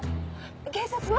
警察は？